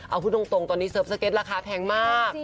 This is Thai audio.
เอาพูดตรงตอนนี้เซิร์ฟสเก็ตราคาแพงมาก